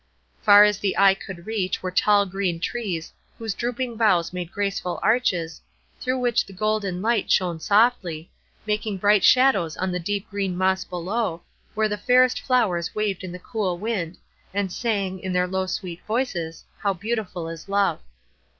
Far as eye could reach were tall green trees whose drooping boughs made graceful arches, through which the golden light shone softly, making bright shadows on the deep green moss below, where the fairest flowers waved in the cool wind, and sang, in their low, sweet voices, how beautiful is Love.